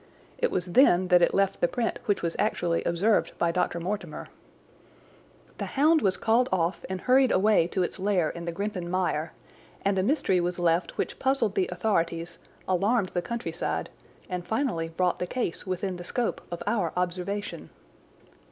It was then that it left the print which was actually observed by Dr. Mortimer. The hound was called off and hurried away to its lair in the Grimpen Mire, and a mystery was left which puzzled the authorities, alarmed the countryside, and finally brought the case within the scope of our observation.